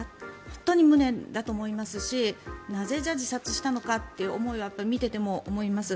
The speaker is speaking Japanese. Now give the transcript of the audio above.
本当に無念だと思いますしなぜ、じゃあ自殺したのかという思いは見てても思います。